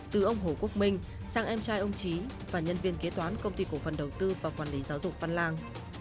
từ ông hồ quốc minh sang em trai ông trí và nhân viên kế toán công ty cổ phần đầu tư và quản lý giáo dục văn lang